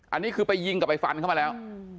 อันนี้คือไปยิงกับไปฟันเข้ามาแล้ว